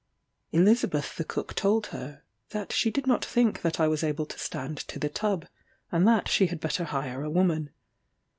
Elizabeth the cook told her, that she did not think that I was able to stand to the tub, and that she had better hire a woman.